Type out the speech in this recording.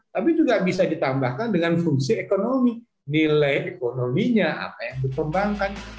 tapi juga bisa ditambahkan dengan fungsi ekonomi nilai ekonominya apa yang dikembangkan